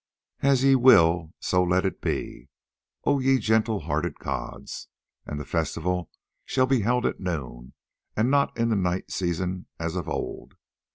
"As ye will so let it be, O ye gentle hearted gods. And the festival shall be held at noon, and not in the night season as of old.